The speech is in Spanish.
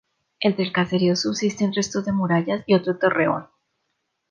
Entre el caserío subsisten restos de murallas y otro torreón.